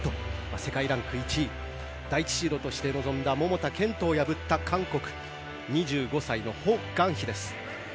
世界ランク１位第１シードとして臨んだ桃田賢斗を破った、韓国２５歳のホ・グァンヒです。